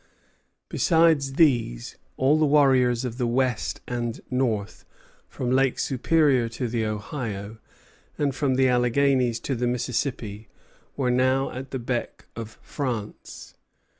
Besides these, all the warriors of the west and north, from Lake Superior to the Ohio, and from the Alleghanies to the Mississippi, were now at the beck of France.